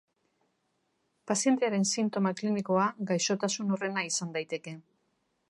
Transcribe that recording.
Pazientearen sintoma klinikoa gaixotasun horrena izan daiteke.